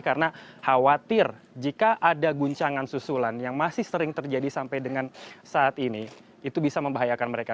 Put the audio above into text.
karena khawatir jika ada guncangan susulan yang masih sering terjadi sampai dengan saat ini itu bisa membahayakan mereka